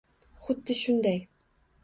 — Xuddi shunday.